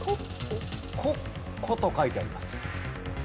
国庫と書いてあります。